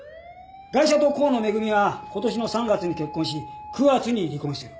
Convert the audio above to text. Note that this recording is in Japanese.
ガイシャと河野恵は今年の３月に結婚し９月に離婚している。